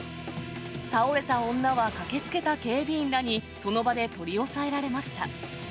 倒れた女は駆けつけた警備員らに、その場で取り押さえられました。